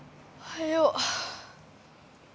おはよう。